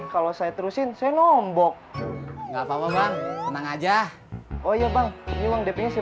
kalau saya terusin saya nombok nggak apa apa bang tenang aja oh iya bang ini emang depenya saya